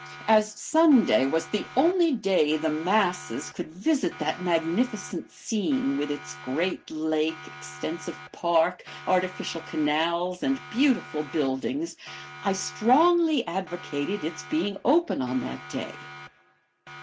As Sunday was the only day the masses could visit that magnificent scene, with its great lake, extensive park, artificial canals, and beautiful buildings, I strongly advocated its being open on that day.